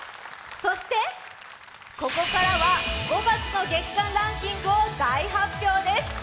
そして、ここからは５月の月間ランキングを大発表です！